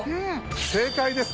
正解です。